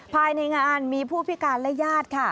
ภายในงานมีผู้พิการและญาติค่ะ